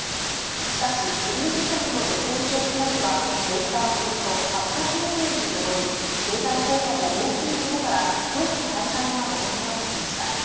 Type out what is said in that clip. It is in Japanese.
しかし、クルーズ客の旅行消費額は年間およそ８００億円に上り、経済効果も大きいことから、早期再開が求められてきました。